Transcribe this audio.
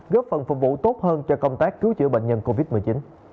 góp phần phục vụ tốt hơn cho công tác cứu chữa bệnh nhân covid một mươi chín